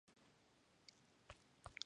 なつめきんのすけ